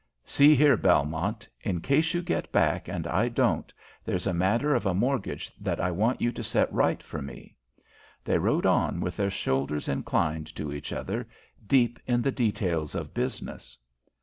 See here, Belmont, in case you get back and I don't, there's a matter of a mortgage that I want you to set right for me." They rode on with their shoulders inclined to each other, deep in the details of business.